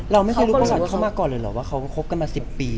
เราไม่เคยรู้ว่าเขามากก่อนหรือหรอว่าเขาคบกันมา๑๐ปี